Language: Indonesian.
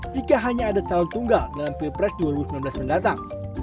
jika hanya ada calon tunggal dalam pilpres dua ribu sembilan belas mendatang